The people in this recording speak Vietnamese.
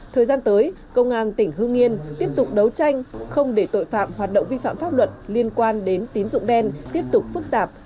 thời gian tới công an tỉnh hương yên tiếp tục đấu tranh không để tội phạm hoạt động vi phạm pháp luật liên quan đến tín dụng đen tiếp tục phức tạp